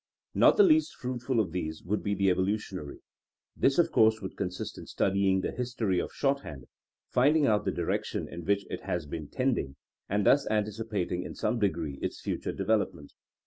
Not the least fruitful of these would be the evolutionary. This, of course, would consist in studying the history of shorthand, finding out the direction in which it has been tending, and thus anticipating in some degree its future de velopment.